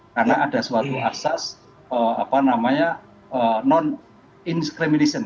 karena ada suatu asas non incrimination